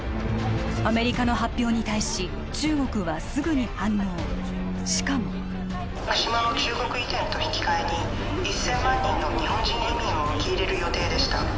アメリカの発表に対し中国はすぐに反応しかも生島の中国移転と引き換えに１千万人の日本人移民を受け入れる予定でした